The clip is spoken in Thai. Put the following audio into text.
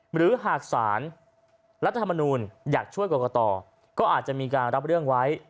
หรือหากสารรัฐธรรมนูลอยากช่วยกรกตก็อาจจะมีการรับเรื่องไว้